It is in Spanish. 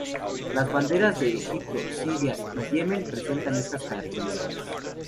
Las banderas de Egipto, Siria y Yemen presentan estas características.